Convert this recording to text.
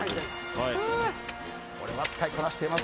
これは使いこなしています。